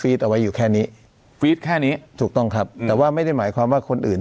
เอาไว้อยู่แค่นี้ฟีดแค่นี้ถูกต้องครับแต่ว่าไม่ได้หมายความว่าคนอื่น